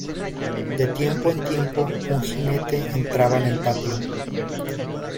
de tiempo en tiempo un jinete entraba en el patio: